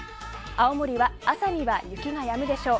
青森は朝には雪がやむでしょう。